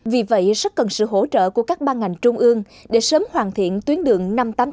vì vậy rất cần sự hỗ trợ của các ban ngành trung ương để sớm hoàn thiện tuyến đường năm trăm tám mươi tám